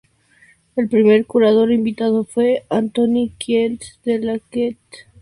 El primer curador invitado fue Anthony Kiedis, de los Red Hot Chili Peppers.